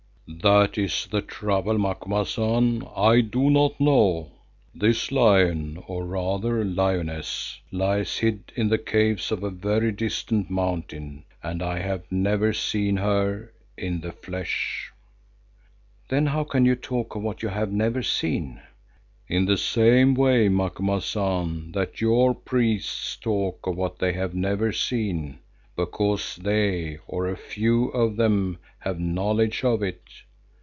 "That is the trouble, Macumazahn. I do not know. This lion, or rather lioness, lies hid in the caves of a very distant mountain and I have never seen her—in the flesh." "Then how can you talk of what you have never seen?" "In the same way, Macumazahn, that your priests talk of what they have never seen, because they, or a few of them, have knowledge of it.